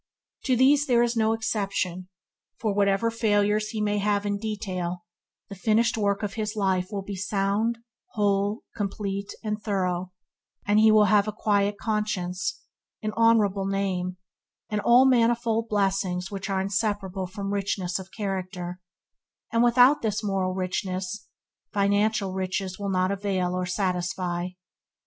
To these there is no exception, for whatever failures he may have in detail, the finished work of his life will be sound, whole, complete; and through all he will have a quiet conscience, an honorable name, and all manifold blessings which are inseparable from richness of character, and without this moral richness, financial riches will not avail or satisfy.